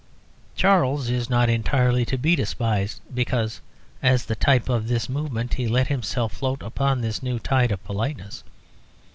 Charles is not entirely to be despised because, as the type of this movement, he let himself float upon this new tide of politeness.